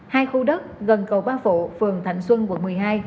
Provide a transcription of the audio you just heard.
hai khu đất gần cầu ba phụ phường thạnh xuân quận một mươi hai